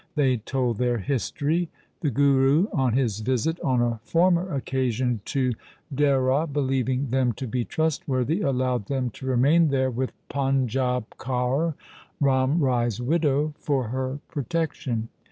They told their history. The Guru on his visit on a former occasion to Dehra, believing them to be trustworthy, allowed them to remain there with Panjab Kaur, Ram Rai's widow, for her protection.